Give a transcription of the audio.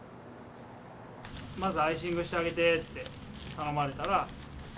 まずアイシングしてあげてって頼まれたら。